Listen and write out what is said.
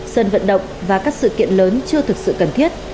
sân vận động và các sự kiện lớn chưa thực sự cần thiết